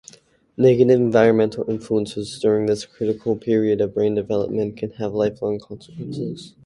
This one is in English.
Negative environmental influences during this critical period of brain development can have lifelong consequences.